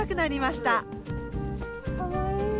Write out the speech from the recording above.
かわいい！